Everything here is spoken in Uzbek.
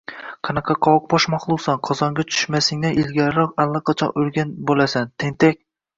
– Qanaqa qovoqbosh maxluqsan? Qozonga tushmasingdan ilgariyoq, allaqachon o‘lgan bo‘lasan, tentak!